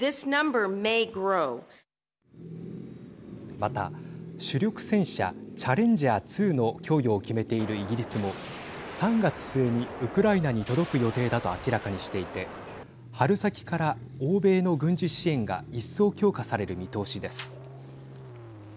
また主力戦車チャレンジャー２の供与を決めているイギリスも３月末にウクライナに届く予定だと明らかにしていて春先から欧米の軍事支援が一層強化される見通しです。